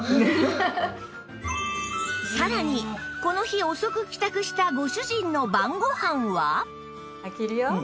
さらにこの日遅く帰宅したご主人の晩ご飯は？